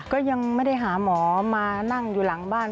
ก็ยังไม่ได้หาหมอมานั่งอยู่หลังบ้าน